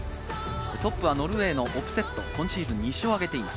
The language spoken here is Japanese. トップはノルウェーのオプセット、今シーズン２勝を挙げています。